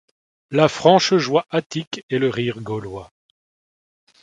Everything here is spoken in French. La franche joie attique et le rire gaulois ;